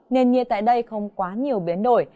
nền nhiệt tại đây không quá nhiều biến đổi